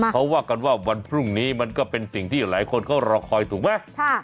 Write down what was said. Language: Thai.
เขาว่ากันว่าวันพรุ่งนี้มันก็เป็นสิ่งที่หลายคนเขารอคอยถูกไหม